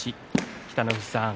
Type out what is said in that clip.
北の富士さん